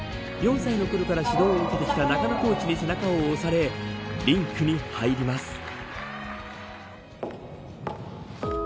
４歳のころから指導を受けてきた中野コーチに背中を押されリンクに入ります。